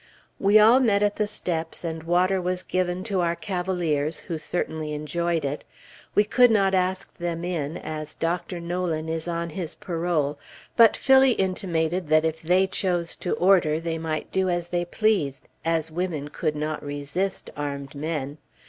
We all met at the steps, and water was given to our cavaliers, who certainly enjoyed it. We could not ask them in, as Dr. Nolan is on his parole; but Phillie intimated that if they chose to order, they might do as they pleased, as women could not resist armed men!